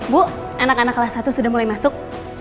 bu anak anak kelas satu sudah mulai masuk